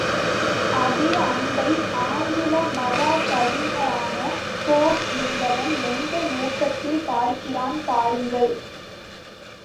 அதே அன்பை, ஆங்கில மகா கவிஞரான போப் என்பவன் எந்த நோக்கத்தில் பார்க்கிறான் பாருங்கள்.